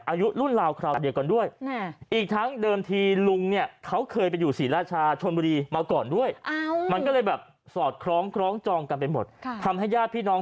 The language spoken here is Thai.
อายุรุ่นราวคราวเดียวกันด้วย